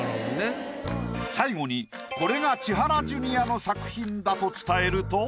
最後にこれが千原ジュニアの作品だと伝えると。